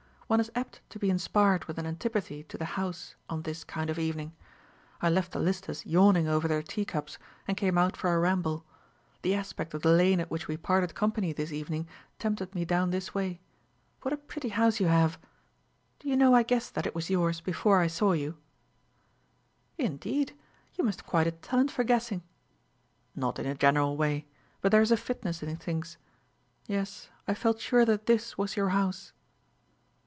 "One is apt to be inspired with an antipathy to the house on this kind of evening. I left the Listers yawning over their tea cups, and came out for a ramble. The aspect of the lane at which we parted company this evening tempted me down this way. What a pretty house you have! Do you know I guessed that it was yours before I saw you." "Indeed! You must have quite a talent for guessing." "Not in a general way; but there is a fitness in things. Yes, I felt sure that this was your house."